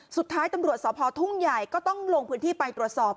สุดท้ายตำรวจสพทุ่งใหญ่ก็ต้องลงพื้นที่ไปตรวจสอบ